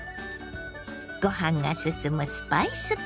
ご飯がすすむスパイスカレー。